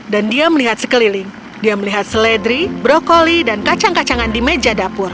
dan dia melihat sekeliling dia melihat seledri brokoli dan kacang kacangan di meja dapur